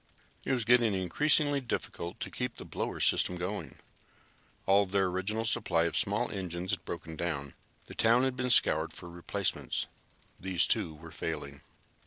It was getting increasingly difficult to keep the blower system going. All of their original supply of small engines had broken down. The town had been scoured for replacements. These, too, were failing.